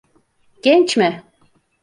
Genç mi?